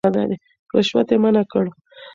رشوت يې منع کړ.